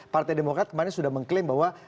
partai demokrat kemarin sudah mengklaim bahwa